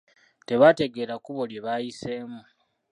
Tebategeera kkubo lye baayiseemu.